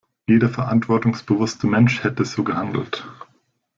Jeder verantwortungsbewusste Mensch hätte so gehandelt.